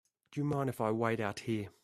Do you mind if I wait out here?